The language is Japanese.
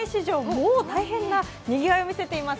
もう大変なにぎわいを見せています。